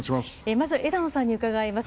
まず枝野さんに伺います。